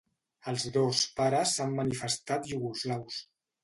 Els dos pares s'han manifestat iugoslaus.